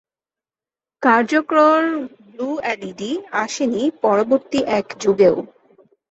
কার্যকর blue LED আসেনি পরবর্তী এক যুগেও।